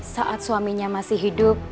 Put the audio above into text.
saat suaminya masih hidup